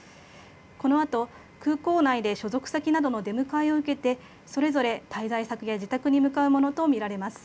このあと空港内で所属先などの出迎えを受けて、それぞれ滞在先や自宅に向かうものと見られます。